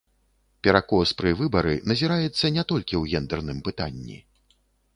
Перакос пры выбары назіраецца не толькі ў гендэрным пытанні.